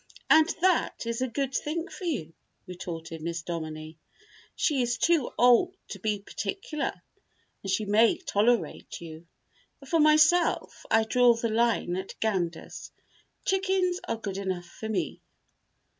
"And that is a good thing for you," retorted Miss Dominie. "She is too old to be particular and she may tolerate you. For myself, I draw the line at ganders. Chickens are good enough for me."